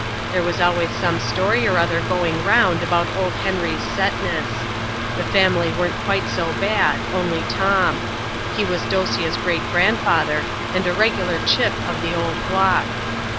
There was always some story or other going round about old Henry's setness. The family weren't quite so bad only Tom. He was Dosia's great grandfather, and a regular chip of the old block.